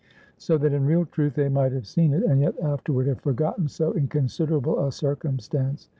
So that in real truth, they might have seen it, and yet afterward have forgotten so inconsiderable a circumstance.